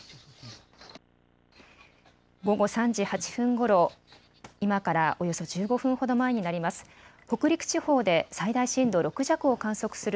午後３時８分ごろ、今からおよそ１５分ほど前になります。